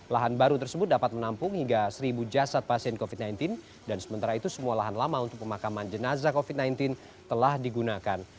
lahan baru tersebut dapat menampung hingga seribu jasad pasien covid sembilan belas dan sementara itu semua lahan lama untuk pemakaman jenazah covid sembilan belas telah digunakan